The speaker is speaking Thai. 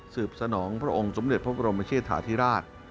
สนองพระองค์สมเด็จพระบรมเชษฐาธิราช